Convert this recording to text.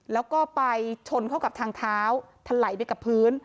แล้วก็ไปชนเข้ากับทางเท้าทะไหลไปกับพื้น